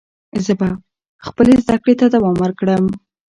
زه به خپلې زده کړې ته دوام ورکړم.